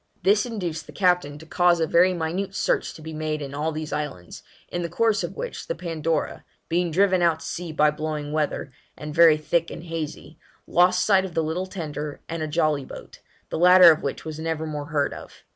This induced the captain to cause a very minute search to be made in all these islands, in the course of which the Pandora, being driven out to sea by blowing weather, and very thick and hazy, lost sight of the little tender and a jolly boat, the latter of which was never more heard of.